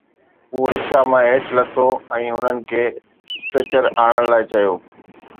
هو رڪشا مان هيٺ لٿو ۽ هنن کي اسٽريچر آڻڻ لاءِ چيو